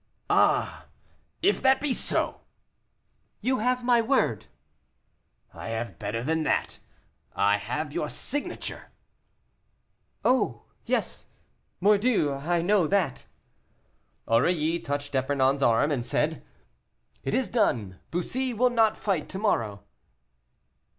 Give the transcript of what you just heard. "Ah! if that be so " "You have my word." "I have better than that, I have your signature." "Oh, yes, mordieu! I know that." Aurilly touched D'Epernon's arm and said, "It is done; Bussy will not fight to morrow."